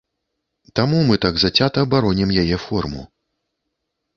Таму мы так зацята баронім яе форму.